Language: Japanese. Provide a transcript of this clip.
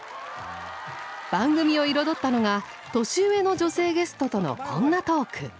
番組を彩ったのが年上の女性ゲストとのこんなトーク。